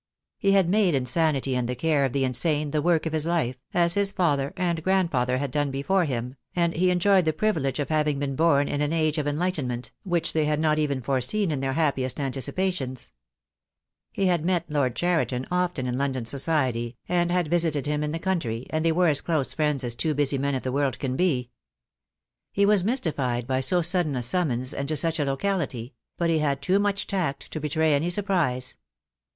He had made insanity and the care of the insane the work of his life, as his father and grandfather had done before him, and he enjoyed the privilege of having been born in an age of enlightenment, which they had The Day will come. II. 1 7 258 THE DAY WILL COME. not even foreseen in their happiest anticipations. He had met Lord Cheriton often in London society, and had visited him in the country, and they were as close friends as two busy men of the world can be. He was mystified by so sudden a summons and to such a locality; but he had too much tact to betray any surprise.